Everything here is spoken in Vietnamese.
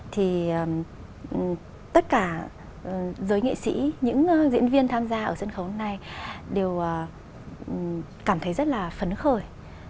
thì tất cả giới nghệ sĩ những diễn viên tham gia ở sân khấu này đều cảm thấy rất là phấn khởi